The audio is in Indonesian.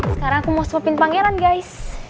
sekarang aku mau sopin pangeran guys